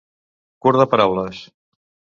Curt de paraules.